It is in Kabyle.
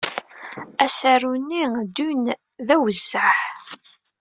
Asaru-nni Dune d awezzeɛ!